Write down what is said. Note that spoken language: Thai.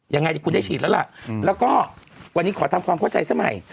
ยังไงคุณได้ฉีดแล้วล่ะแล้วก็วันนี้ขอทำความเข้าใจซะใหม่